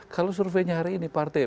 kalau surveinya hari ini partai